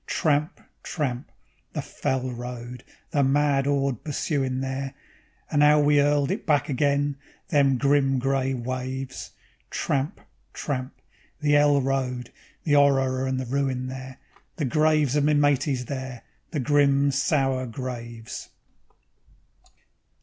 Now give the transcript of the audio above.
Tramp, tramp, the fell road, the mad 'orde pursuin' there, And 'ow we 'urled it back again, them grim, grey waves; Tramp, tramp, the 'ell road, the 'orror and the ruin there, The graves of me mateys there, the grim, sour graves.